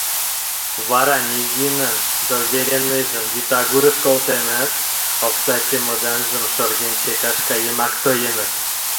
Вара Мизинын доверенныйжым вӱд агурыш колтеныт, окса чемоданжым шоргенче кашка йымак тоеныт...